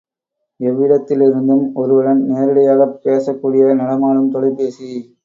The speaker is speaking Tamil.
எவ்விடத்திலிருந்தும் ஒருவருடன் நேரிடையாகப் பேசக் கூடிய நடமாடும் தொலைபேசி.